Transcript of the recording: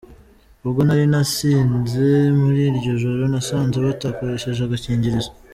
ubwo nari nasinze muri iryo joro nasanze batakoresheje agakingirizo”.